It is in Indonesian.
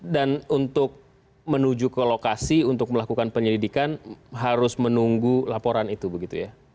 dan untuk menuju ke lokasi untuk melakukan penyelidikan harus menunggu laporan itu begitu ya